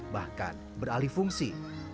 bahkan beralih fungsi